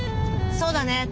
そうだね。